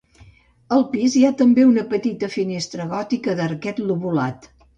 Al pis hi ha també una petita finestra gòtica d'arquet lobulat.